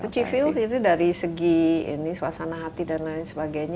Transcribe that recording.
how do you feel dari segi suasana hati dan lain sebagainya